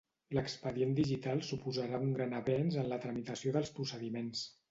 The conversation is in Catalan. L'expedient digital suposarà un gran avenç en la tramitació dels procediments.